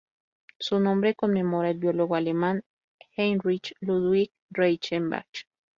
Su nombre conmemora al biólogo alemán Heinrich Ludwig Reichenbach.